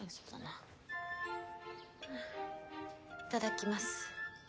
いただきます。